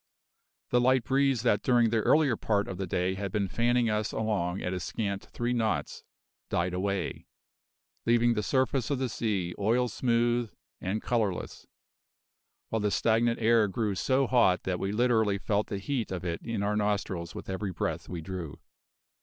The light breeze that during the earlier part of the day had been fanning us along at a scant three knots, died away, leaving the surface of the sea oil smooth and colourless, while the stagnant air grew so hot that we literally felt the heat of it in our nostrils with every breath we drew.